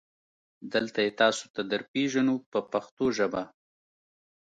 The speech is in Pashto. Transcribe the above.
دلته یې تاسو ته درپېژنو په پښتو ژبه.